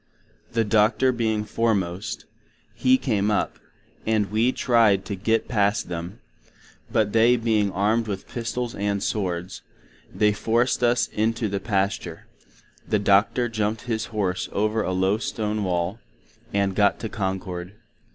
The Docter being foremost, he came up; and we tryed to git past them; but they being armed with pistols and swords, they forced us in to the pasture;—the Docter jumped his Horse over a low Stone wall, and got to Concord.